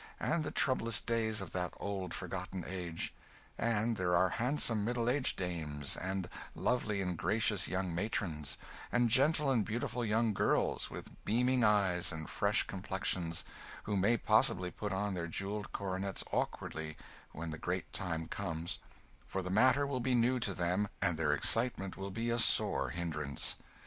and the troublous days of that old forgotten age; and there are handsome middle aged dames; and lovely and gracious young matrons; and gentle and beautiful young girls, with beaming eyes and fresh complexions, who may possibly put on their jewelled coronets awkwardly when the great time comes; for the matter will be new to them, and their excitement will be a sore hindrance.